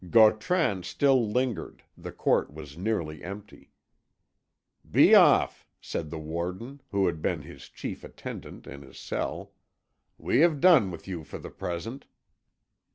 Gautran still lingered; the court was nearly empty. "Be off," said the warder, who had been his chief attendant in his cell; "we have done with you for the present."